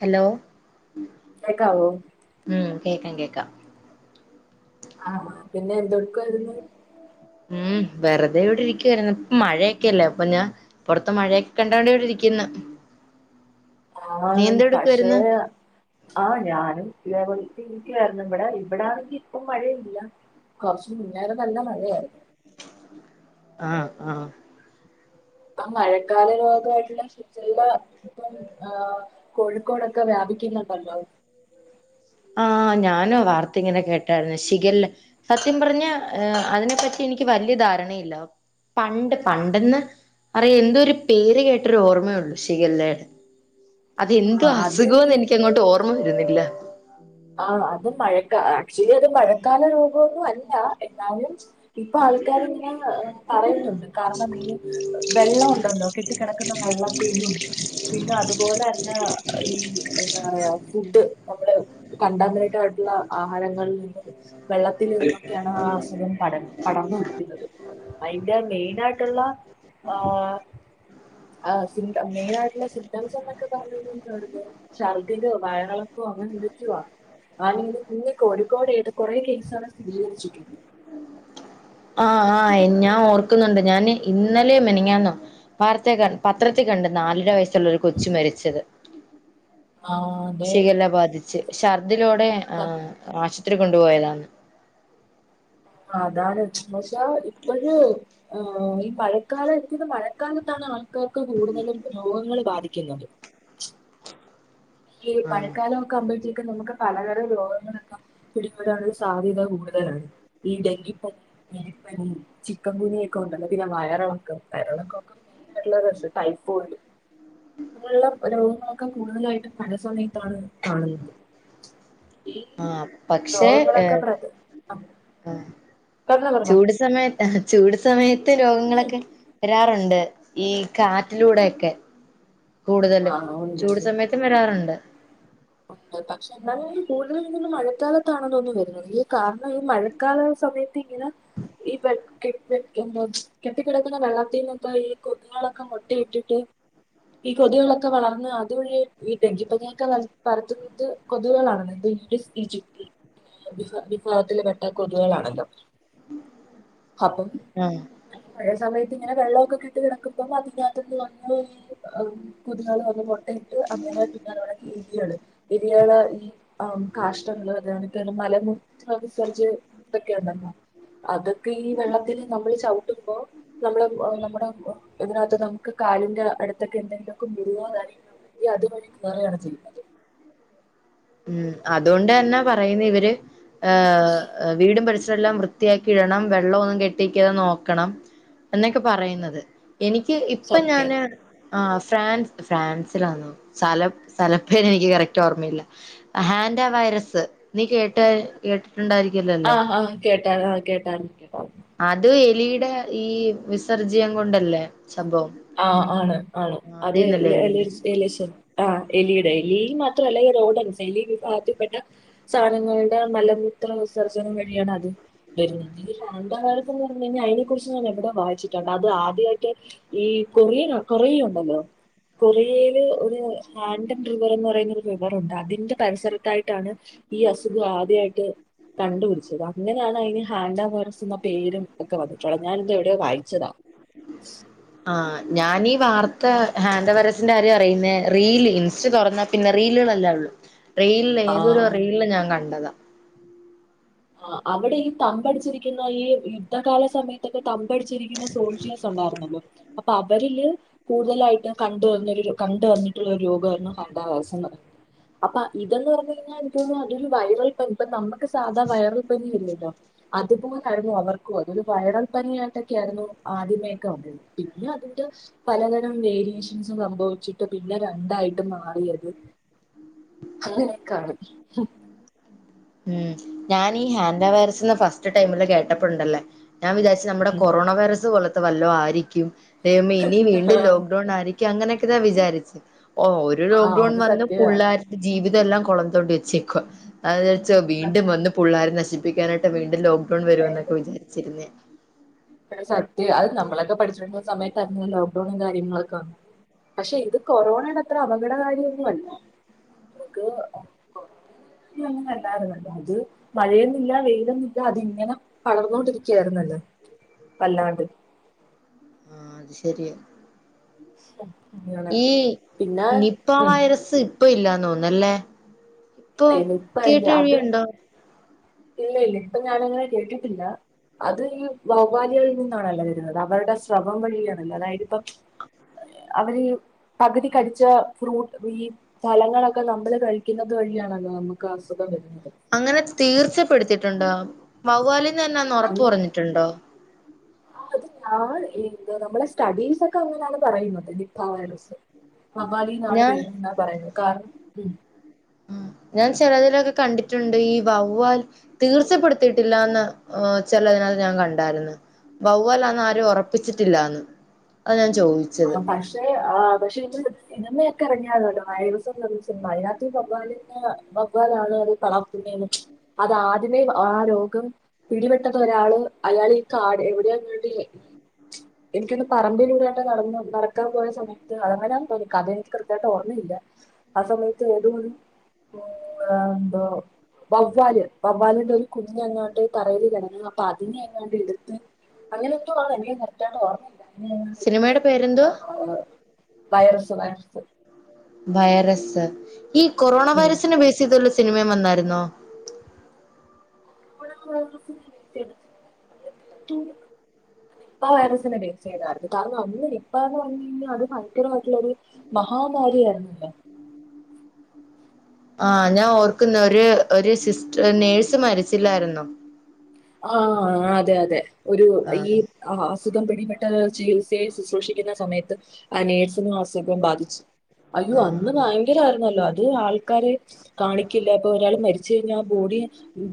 Hello കേക്കാവോ ഉം കേക്കാ കേൾക്കാം ആ പിന്നെ എന്തു ക്കു വായിരുന്നു ഉം വെറുതെ ഇവിടെ ഇരിക്കുവരുന്നു ഇപ്പ മഴയൊക്കെല്ലേ അപ്പൊ ഞാൻ പുൊറത്ത് മഴയൊക്കെ കണ്ടോണ്ട ഇവിടെ ഇരിക്ക്ന്ന് ആഹ് പക്ഷേ ആ ഞാനും ഇതേ പൊ രിക്കായിരുന്നു ഇവിടെ ഇവിടാണെങ്കി ഇപ്പം മഴയില്ല കുറച്ചു മുന്നേണെ നല്ല മഴയായിരുന്നു ആഹ് ആഹ് പ്പം മഴ തരാഗട്ടിലെ ചില ഇപ്പം ആഹ് കോഴിക്കോടൊക്കെ വ്യാപിക്കുന്നുണ്ടാല്ലോ ആ ഞാനവാർത്ത ഇങ്ങനെ കേട്ടാരുന്നു ശിഖല്ല സത്യം പറഞ്ഞ ഏ അതിനെ പറ്റി എനിക്ക് വല്യ ധാരണയില്ല പണ്ട് പണ്ടെന്ന് അറിയ എന്തോ ഒരു പേര് കേട്ടൊരു ഓർമ ഉള്ളു ശിഖല്ല അത് ആ, എന്ത് അത് അസുഖംന്ന് എനിക്ക് അങ്ങോട്ട് ഓർമ്മ വരുന്നില്ല ആ അത് മഴക്കാല ആക്ച്വലി ഇത് മഴക്കാല രോഗഒന്നും അല്ല എന്നാലും ഇപ്പൊ ആൾക്കാര് ഇങ്ങനെ ഏ പറയുന്നുണ്ട് കാരണം ഈ വെള്ളം ഉണ്ടല്ലോ കെട്ടിക്കിടക്കുന്ന വെള്ളത്തിലും പിന്നെ അതുപോലെ തന്നെ ഈ എന്താ പറയാ ഫുഡ് നമ്മള് കണ്ട നേരട്ടയിട്ടുള്ള ആഹാരങ്ങളിൽ നിന്നും വെള്ളത്തിൽ നിന്നൊക്കെയാണ് ആസുഖം പട പടന്ന് പിടിക്കുന്നത് അയിന്റെ മെയിന ആയിട്ടുള്ള ആഹ് ആഹ് സിംറ്റം മെയിന ആയിട്ടുള്ള സിംറ്റംസ് എന്നൊക്കെ പറഞ്ഞായിഞ്ഞ എന്താ പറയ ഛർദ്ദിലോ വയറിളക്കോ അങ്ങനെ എന്തോ ച്ചുവ അല്ലെങ്കില് ഇന്ന് കോഴിക്കോട് ഇട് കുറെേ കേസുകൾ സ്ഥിരീകരിച്ചിട്ടുണ്ട് ആഹ് ആഹ് ഞാൻ ഓർക്കുന്നുണ്ട് ഞാന് ഇന്നലെ മിനിഞാനോ വാർത്തെ ക പത്രത്തി കണ്ട് നാലര വയസ്സുള്ള ഒരു കൊച്ചി മരിച്ചത് ആഹ് അതെ ശിഖല ബാധിച്ച് ഛർദിലൊടെ ആഹ് ആശു ഒത്തിരി കൊണ്ടുപോയതാണ് അതാണ് ഇച്ച് ബാഷ് ഇതാ ഇപ്പയെ ആഹ് ആഹ് ഈ പഴക്കാലം എടുക്കുന്ന മഴക്കാലത്താണ് ആഹ് ക്കക്ക് കൂടുതലും രോഗങ്ങള് ബാധിക്കുന്നത് ഈ ആഹ് പഴക്കാലം ഒക്കെവുമ്പഴ ക്കെ നമുക്ക് പലതരം രോഗങ്ങളൊക്കെ പിടിപെടാഉള്ള സാധ്യത കൂടുതലാണ് ഈ ഡെങ്കിപ്പനി എലിപ്പനി ചിക്കൻങ്കുനിയൊക്കെ ഉണ്ടല്ലോ പിന്നെ വയറിളക്കം വയറിളകൊക്കെ മെയിൻ ആയിട്ടുള്ള അല്ല പക്ഷേ ടൈഫോയിഡ് ഉള്ള പെടുങ്ങൾ ഒക്കെ കൂടുതാലായിട്ടും പല സമയത്താണ് കാണുന്നത് ഈ ആഹ് പക്ഷെ രോഗങ്ങളൊക്കെ ഏർ പ്രതി ആഹ് പറഞ്ഞോ പറഞ്ഞോ ചൂട് സമയത്താ ചൂട് സമയ രോഗങ്ങളൊക്കെ വരാറു ണ്ട് ഈ കാറ്റിലൂടെക്കെ കൂടുതലും ആഹ് ചൂട് സമയത്തും വരാറുണ്ട് ണ്ട് പക്ഷെ എന്നാലും കൂടുതലും തോ മഴക്കാലത്താണന്ന് തോന്ന് വരുന്നത്. ഈ കാരണം ഈ മഴക്കാല സമയത്ത് ഇങ്ങനെ ഈ എന്താ കെട്ട കിടക്കുന്ന വെള്ളത്തിൽന്നൊക്കെ ഈ കൊതുകളൊക്കെ മൊട്ടയിട്ടിട്ട് ഈ കൊതുകളൊക്കെ വളർന്ന് അതുവഴി ഈ ഡങ്കിപ്പനിക്കെ പരത്തുന്നത് കൊതുകുകളാണെന്ന് ഇംഗ്ലീഷ് ഈജിപ്തി വിഭാഗത്തിൽ പെട്ട കൊതുകുകളാണല്ലോ. അപ്പം. ആഹ് ഒരേ സമയം ഇതിങ്ങനെ വെള്ളൊക്കെ കെട്ടി കിടക്കുമ്പം അതിന്റകത്ത്ന്ന് വന്ന് കൊതുകുകൾ വന്ന് മൊട്ടയിട്ട് അങ്ങനെ പിന്നെ വിരി എലിയള് ഈ ആ കാഷ്ടങ്ങള് അതെണക്കന്നെ മലമൂത്ര വി സർജ്യതൊക്കെ ഉണ്ടല്ലോ അതൊക്കെ ഈ വെള്ളത്തില് നമ്മൾ ചവ്ട്ടുമ്പോ നമ്മള് നമ്മുടെ ഇതിനകത്ത് നമുക്ക് കാലിൻറെ അടുത്തൊക്കെ എന്തെങ്കിലൊക്കെ മുറിവോ [unintelligible] ഉണ്ടെങ്കി അതുവഴി കേറുകയാണ് ചെയ്യുന്നത്. ഉം അതോണ്ട് തന്നാ പറയുന്ന ഇവര് വീടും പരിസ ല്ലാം വൃത്തിയാക്കി ഇടണം. വെള്ളം ഒന്നും കെട്ടിക്കാതെ നോക്കണം എന്നൊക്കെ പറയുന്നത്. എനിക്ക് ഇപ്പ സത്യം ഞാന് ആ ഫ്രാൻസ് ഫ്രാൻസിലാന്നോ സലം സലപ്പേരെനിക്ക് കറക്റ്റ് ഓർമ്മയില്ല ഹാൻന്റാ വൈറസ് നീ കേട്ട കേട്ട് ണ്ടായിരിക്കല്ലോ അല്ലേ കേട്ടാര് അത് എലിയ്ടെ ഈ വിസർജ്യം കൊണ്ടല്ലേ സംഭവം ആ ആണ് ആണ് ആഹ് അത് ഈ അതീന്നല്ലേ എലി വരുന്നേ എലിശം ആ എലിയ്ടെ ലീ മാത്രല്ല ഈ റോഡൻ [unintelligible] വിഭാഗത്തിപ്പെട്ട സാനങ്ങൾടെ മലമൂത്ര വിസർജനം വഴിയാണ് അത് വരുന്നത് അന്തകാലത്തെന്ന് പർഞ്ഞയ്ഞ്ഞാ അയ്നെ കുറിച്ച് ഞാൻ എവിടാേ വായിച്ചിട്ട്ണ്ട് അത് ആദ്യായിട്ട് ഈ കൊറിയൻ കൊറിയല്ണ്ടല്ലോ കൊറിയയില് ഒര് ഹാൻഡൻ റിവറെന്ന് പറയ്ന്നാെര് റിവറുണ്ട് അതിന്റെ പരിസരത്തായിട്ടാണ് ഈ അസുഖം ആദ്യായിട്ട് കണ്ടുപിടിച്ചത് അങ്ങനെയാണ് അയ്ന് ഹാൻഡ വൈർസ്ന്ന പേരും ഒക്കെ വന്നിട്ട്ള്ളത് ഞാനിതെവിടെയോ വായിച്ചതാ ആ ഞാനീ വാർത്ത ഹാന്റാ വൈറസ്ന്റെ കാര്യം അറിയുന്നെ റീല് ഇൻസ്റ്റ തൊറന്നാ പിന്നെ റീല്കളെല്ലേ ഒള്ളു റീൽല് ഏതൊരു ആഹ് റീൽല് ഞാൻ കണ്ടതാ ആ അവിടെ ഈ തമ്പടിച്ചിരിക്കുന്ന ഈ യുദ്ധകാല സമയത്തൊക്കെ തമ്പടിച്ചിരിക്കുന്ന സോൾജേഴ്സ് ഉണ്ടാക്ര്ന്നല്ലോ അ അപ്പ അവരില് കൂട്തലായിട്ടും കണ്ട് വന്നാെരു കണ്ട് വന്നിട്ടുള്ളൊരു രോഗമായ്ര്ന്നു ഹബ്ബാവസെന്നത് അപ്പ ഇതെന്ന് പറഞ്ഞ്യ്ഞ്ഞാ ൻക്കാേന്ന്ന്നു അതൊരു വൈറൽ പനി ഇപ്പ നമ്മക്ക് സാധാരണ വൈറൽ പനി വര് വല്ലോ അതുപോലായ്ര്ന്നു അവർക്കും അത് ഒര് വൈറൽ പനിയായിട്ടൊക്കെയായ്ര്ന്നു ആദ്യമേക്കെ വന്നത് പിന്നെ അതിന്റെ പലതരം വേരിയേഷൻസും സംഭവിച്ചിട്ട് പിന്നെ രണ്ടായിട്ട് മാറിയത് അങ്ങനൊക്കാണ് ഉം ഞാനീ ഹാന്റാ വൈറസ്ന്ന് ഫസ്റ്റ് ടൈമില് കേട്ടപ്പണ്ടല്ലെ ഞാൻ വിചാച്ച് നമ്മടെ കൊറോണ വൈറസ് പോലെ വല്ലോ ആരിക്കും ദൈവമെ ഇനി വീണ്ടും ലോക്ക്ഡൗൺ ആയിരിക്കും അങ്ങനൊക്കെ ഞാൻ വിചാരി ച്ച് ഓ ഒരു ആ ലോക്ക്ഡൗൺ അത് വന്ന് സത്യമാണ് പുള്ളാരുടെ ജീവിതം എല്ലാം കൊളംന്തോണ്ടി വെച്ചേക്കുവാ [unintelligible] [unintelligible] വീണ്ടും വന്ന് പുള്ളാരെ നശി പ്പിക്കാനായിട്ട് വീണ്ടും ലോ ക്ഡൗൺ വരുമന്നൊക്കെ വിചാരിച്ചിരുന്നെയാ എട സത്യവാ അത് നമ്മളൊക്കെ പഠിച്ചികൊണ്ടിരുന്ന സമയത്തായിരുന്നല്ലൊ ലോക്ക്ഡൗണും കാര്യങ്ങളൊക്കെ വന്നത് പക്ഷെ ഇത് കൊറോണയുടെ അത്ര അപകടകാരിയൊന്നുവല്ല നമുക്ക് കൊറോണയുടെ കാര്യം അങ്ങനെ അല്ലായിരുന്നല്ലോ അത് മഴയന്നില്ല വെയിലന്നില്ല അതിങ്ങനെ പകർന്നോണ്ടിരിക്ക്യാരുന്നല്ലോ വല്ലാണ്ട്. ആ അത് ശരിയാ. അങ്ങനെ ഈ പിന്നെ നിപ ഉം വൈറസ് ഇപ്പ ഇല്ലാ ന്നോന്നല്ലേ ഇപ്പൊ ഇല്ല ഇല്ല ഇപ്പ അതിന്റെ അത് കീട്ടേഴിയുണ്ടോ ഇല്ല ഇല്ല ഇപ്പൊ ഞാനങ്ങനെ കേട്ടിട്ടില്ല അത് ഈ വവ്വാല്കളിൽ നിന്നാണല്ലോ വരുന്നത് അവരുടെ സ്രവം വഴിയാണല്ലോ അതായത്പ്പം അവര് പകുതി കടിച്ച ഫ്രൂട്ട് ഈ ഫലങ്ങളൊക്കെ നമ്മള് കഴിക്കുന്ന അത് വഴിയാണല്ലോ നമുക്ക് അസുഖം വ അങ്ങനെ തീർച്ചപ്പെടുത്തിട്ട്ണ്ടോ വവ്വലു [unintelligible] അങ്ങനെ ഉറപ്പ് പറഞ്ഞിട്ടുണ്ടോ [unintelligible] അത് ആഹ് എന്തുവാ നമ്മളെ സ്റ്റഡീസ് ഒക്കെ അങ്ങനെയാണ് പറയുന്നത് നിപ്പ വൈറസ് വവ്വാലീന്നാണ് ഞാൻ വരുന്നത് എന്നാണ് പറയുന്നത് കാരണം ഉം ഉം ഞാൻ ചിലതിനലൊക്കെ കണ്ടിട്ടുണ്ട് ഈ വവ്വാൽ തീർച്ചപ്പെടുത്തിയിട്ടില്ലന്ന് ചിലതിനകത്ത് ഞാൻ കണ്ടായിരുന്നു വവ്വാൽന്ന് ആരും ഉറപ്പിച്ചിട്ടില്ലന്ന് അത് [unintelligible] ആഹ് പക്ഷെ ആഹ് പക്ഷെ [unintelligible] [unintelligible] [unintelligible] വവ്വാലാണ്‌ അത് പടർത്തുന്നന്ന് അത് ആദ്യമേ ആ രോഗം പിടിപെട്ടത് ഒരാള് അയാൾ ഈ കാട് എവിടെയാ [unintelligible] എനിക്കൊന്ന് പറമ്പിലൂടെകേ [unintelligible] നടക്കാൻ പോയ സമയത്ത് അങ്ങനെ ആന്ന് തോന്നണ് കഥയെനിക്ക് കൃത്യമായിട്ട് ഓർമ്മയില്ല ആ സമയത്ത് ഏതോ ഒരു എന്തോ വവ്വല് വവ്വാലിന്റെ ഒരു കുഞ്ഞ് അങ്ങാണ്ട് തറേല് കിടക്കണ് അപ്പൊ അതിനെ അങ്ങാണ്ട് എടുത്ത് അങ്ങനെന്തോ ആണ് എനിക്ക് കൃത്യായിട്ട് ഓർമ്മയില്ല [unintelligible] സിനിമയുടെ പേരെന്തുവാ [unintelligible] വൈറസ് വൈറസ് വൈറസ് ഈ കൊറോണ വൈറസിന് ബേസ്ചെയ്തോള്ള സിനിമയും വന്നായിര്ന്നോ നിപ്പാ വൈറസിനെ ബേസ് ചെയ്തായിരുന്നു കാരണം അന്ന് നിപ്പാ എന്ന് പറഞ്ഞു കഴിഞ്ഞാൽ അത് ഭയങ്കരമായിട്ടുള്ളൊരു മഹാമാരിയായിരുന്നല്ലേ ആഹ് ഞാൻ ഓർ ഒക്കുന്നു ഒരു സിസ് നേഴ്സ് മരിച്ചില്ലായിരുന്നോ ആഹ് അതെ അതെ ഒരു ഈ ആഹ് അസുഖം പിടിപെട്ട് ചികിത്സയിൽ ശുശ്രൂഷിക്കുന്ന സമയത്ത് ആ നേഴ്സിനും അസുഖം ബാധിച്ചു അയ്യോ ആഹ് അന്ന് ആഹ് ഭയങ്കരം ആയിരുന്നല്ലേ അത് ആൾക്കാരെ കാണിക്കില്ല അപ്പൊ ഒരാൾ മരിച്ച കഴിഞ്ഞാ ആ ബോഡി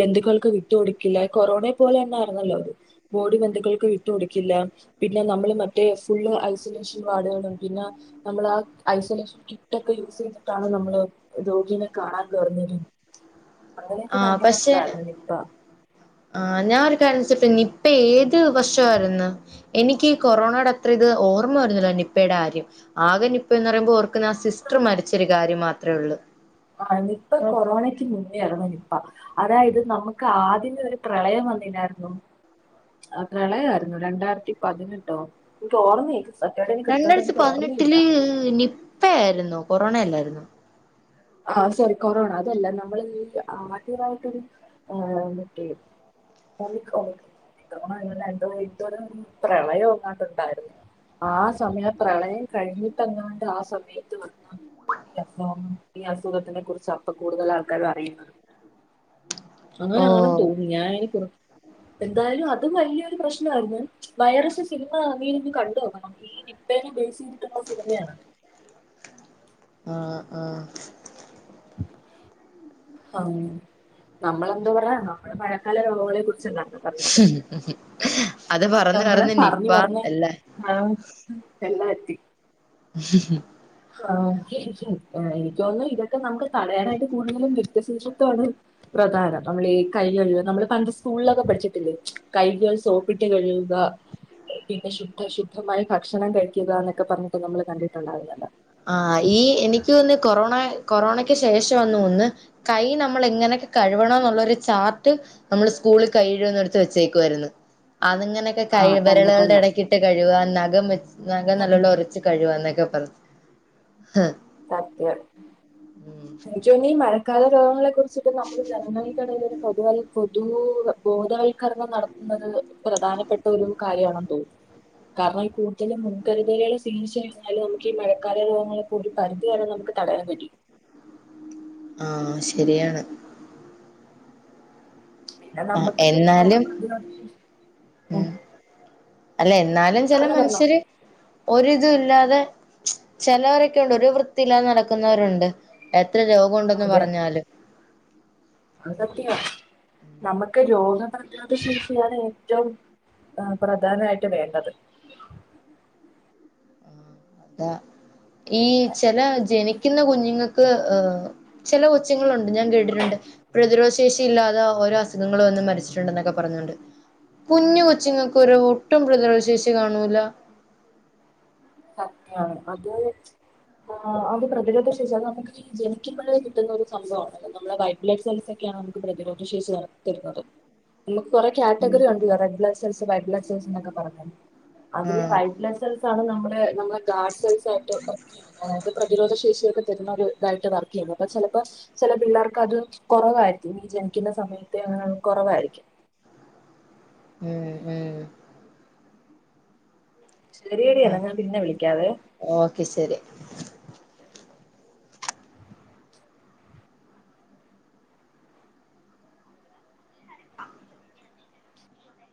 ബന്ധുക്കൾക്ക് വിട്ട് കൊടുക്കില്ല കൊറോണെ പോലെ തന്നെ ആരുന്നല്ലോ അത് ബോഡി ബന്ധുക്കൾക്ക് വിട്ട്കൊടുക്കില്ല പിന്നെ നമ്മള് മറ്റേ ഫുള് ഐസൊലേഷൻ വാർഡുകളും പിന്നെ നമ്മൾ ആ ഐസൊലേഷൻ കിറ്റൊക്കെ യൂസ് ചെയ്തിട്ടാണ് നമ്മള് രോഗിനെ കാണാൻ കേറുന്നത് അങ്ങനെയൊക്കെ ഭയങ്കര ഇതായിരുന്നു നിപ്പ ആ ഞാനൊരു കാര്യം നിപ്പ ഏത് വർഷമായിരുന്നു എനിക്ക് കൊറോണോയുടെ അത്ര ഇത് ഓർമ്മ വരുന്നില്ല നിപ്പയുടെ കാര്യം ആകെ നിപ്പന്ന് പറയുമ്പോ ഓർ സിസ്റ്റർ മരിച്ചൊരു കാര്യ മാത്രം മാത്ര ഒള്ളൂ ആ നിപ്പ കൊറോണയ്ക്ക് മുന്നേ [unintelligible] അതായത് നമുക്ക് ആദ്യമെ ഒരു പ്രളയം വന്നില്ലായിരുന്നോ ആ പ്രളയമായിരുന്നു രണ്ടായിരത്തി പതിനെട്ടോ എനിക്ക് ഓർമ്മയി രണ്ടായിരത്തി പതിനെട്ടില് നി പ്പ ആയിരുന്നു കൊറോണയല്ലായിരുന്നു. ആ ശരി കൊറോണ അതല്ല നമ്മൾ ആദ്യായിട്ടൊരു ആഹ് മറ്റേ [unintelligible] പ്രളയെങ്ങാണ്ട് ഒണ്ടായിരുന്നു ആ സമയത്താണ് കഴിഞ്ഞിട്ടങ്ങാണ്ട് ആ സമയത്ത് വന്ന ഈ അസുഖങ്ങള്. ഈ അസുഖത്തിനെ കുറിച്ച് അപ്പൊ കൂടുതൽ ആൾക്കാരും അറിയുന്നത്. അങ്ങനെ ആണെന്ന് ഓഹ് തോന്നുന്നു ഞാൻ ഇ പുറ എന്തായാലും അ അതു വലിയൊരു പ്രശ്നമായിരുന്നു വൈറസ് സിനിമ പി കണ്ടു നോക്കണം, ഈ നിപ്പനെ ഉപയോഗിച്ചിട്ടുള്ള സിനിമയാണ്. ആഹ് ആഹ് ആഹ് നമ്മളെന്തോ പറയാനാ നമ്മള് മഴക്കാല രോഗങ്ങളെ കുറി അത് നമ്മള് പറഞ്ഞുപറഞ്ഞ് പറഞ്ഞ് നിപ്പാ അല്ലെ. എല്ലാ എത്തി ആഹ് എനിക്ക് തോന്നുന്നു ഇതൊക്കെ നമുക്ക് തടയാനായിട്ട് കൂടുതലും വ്യക്തിശുചിത്വമാണ് പ്രധാനം, നമ്മൾ ഈ കൈ കഴുക നമ്മള് പണ്ട് സ്കൂളിലൊക്കെ പഠിച്ചിട്ടില്ലേ കൈകൾ സോപ്പിട്ട് കഴുകുക പിന്നെ ശുദ്ധ ശുദ്ധമായി ഭക്ഷണം കഴിക്കുക എന്നൊക്കെ പറഞ്ഞിട്ട് നമ്മൾ കണ്ടിട്ടുണ്ടായിരുന്നല്ലോ. ആഹ് ഈ എനിക്ക് തോന്നുന്നു, ഈ കൊറോണ കൊറോണക്ക് ശേഷമാണെന്ന് തോന്നുന്നു കൈ നമ്മള് എങ്ങനൊക്കെ കഴുവണോ എന്നുള്ളൊരു ചാർട്ട് നമ്മള് സ്കൂളിൽ കൈ കഴുവുന്നെടുത്ത് വെച്ചേക്കുവായിരുന്നു. വെച്ചേക്കുവാരുന്നു അതിങ്ങനെയൊക്കെ കൈ ആഹ് തന്നെ വിരലുകളുടെ തന്നെ ഇടയ്ക്കിട്ട് കഴുവാൻ നഖം വച്ചു നഖം നല്ലോണം ഒരച്ച് കഴുകാന്നൊക്കെ പറഞ്ഞ്. ആഹ് സത്യം എനിക്കു തോന്നി ഈ മഴ. കാലം രോഗങ്ങളെ കുറി ച്ചിട്ട് നമ്മൾ ജനങ്ങൾക്കിടയില് ഒരു പൊതുവായി പൊതു ബോധവൽക്കരണം നടത്തുന്നത് പ്രധാനപ്പെട്ട ഒരു കാര്യമാണെന്ന് തോന്നുന്നു, കാരണം ഈ കൂടുതലും മുൻകരുതലുകൾ സ്വീകരിച്ച് കഴിഞ്ഞാല് നമുക്ക് ഈ മഴക്കാല രോഗങ്ങളൊക്കെ ഒരു പരിധി വരെ നമുക്ക് തടയാൻ കഴിയും. ആഹ് ശരിയാണ്. പിന്നെ ആ നമ്മക്ക് എന്നാലും രോഗപ്രതിരോധ ശേഷി ഉം. അല്ലെ എ ന്നാലും ചെല പറഞ്ഞോ പറഞ്ഞോ മനുഷ്യര് ഒരിതുല്ലാതെ ചെലൊരൊക്കെണ്ട് ഒരു വൃത്തിയില്ലാതെ നടക്കുന്നവരുണ്ട് എ ത്ര രോഗോണ്ടെന്ന് അതെ പറഞ്ഞാലും അത് സത്യവ നമക്ക് രോഗപ്രതിരോധ ശേഷിയാണ് ഏറ്റോം പ്രധാനായിട്ട് വേണ്ടത് അതെ ഈ ചെല ജനിക്കുന്ന കുഞ്ഞുങ്ങൾക്ക് ചില കൊച്ചുങ്ങളുണ്ട് ഞാൻ കേട്ടിട്ടുണ്ട് പ്രതിരോധശേഷി ഇല്ലാതെ ഓരോ അസുഖങ്ങളും വന്ന് മരിച്ചിട്ടുണ്ടെന്നൊക്കെ പറഞ്ഞോണ്ട് കുഞ്ഞു കൊച്ചുങ്ങൾക്ക് ഒരു ഒട്ടും പ്രതിരോധശേഷി കാണൂല സത്യാവണ് അത് ആ പ്രതിരോധ ശേഷി നമുക്ക് ജനിക്കുമ്പോഴേ കിട്ടുന്ന ഒരു സംഭവാണ് നമ്മുടെ വൈറ്റ് ബ്ലഡ്‌ സെൽസൊക്കെയാണ് നമുക്ക് പ്രതിരോധ ശേഷി തരുന്നത് നമുക്ക് കുറേ കാറ്റഗറി ഉണ്ടല്ലോ red blood cells white blood cells എന്നൊക്കെ പറഞ്ഞ് അതിലെ ആഹ് വൈറ്റ് ബ്ലഡ് സെൽസാണ് നമ്മ നമ്മളെ ഗാർഡ് സെൽസായിട്ട് പിന്നെ പ്രതിരോധ ശേഷിയൊക്കെ തരു ഇരുന്നൊരു ഇതായിട്ട് വർക്ക് ചെയ്യുന്നത് അപ്പൊ ചിലപ്പോ ചില പിള്ളേർക്ക് അത് കൊറവായിരിക്കും ഈ ജനിക്കുന്ന സമയത്തെ കൊറവാരിക്കും ഈ ജനിക്കുന്ന സമയത്തെ ആ കൊറവാരിക്കും ഉം ഉം ശെരിയെടി എന്നാ ആഹ് ഞാൻ പിന്നെ വിളിക്കാവെ ഓക്കെ ശരി